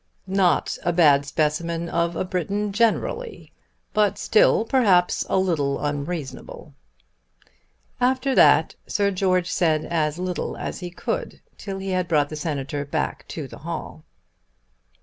"Not a bad specimen of a Briton generally; but still, perhaps, a little unreasonable." After that Sir George said as little as he could, till he had brought the Senator back to the hall.